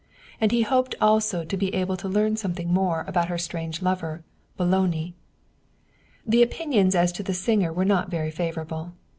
And he hoped also to be able to learn something more about her strange lover, Boloni. The opinions as to the singer were not very favorable.